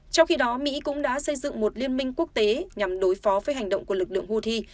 trong khi đó mỹ cũng đã xây dựng một liên minh quốc tế nhằm đối phó với hành động của lực lượng houthi